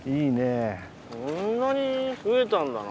こんなに増えたんだな。